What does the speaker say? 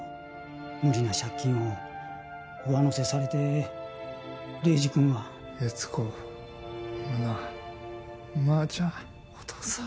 無理な借金を上乗せされて礼二くんは悦子茉奈まーちゃんお義父さん